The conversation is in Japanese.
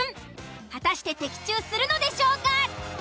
果たして的中するのでしょうか？